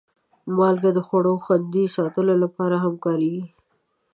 مالګه د خوړو خوندي ساتلو لپاره هم کارېږي.